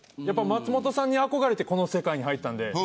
やっぱり松本さんに憧れてこの世界に入ったんで。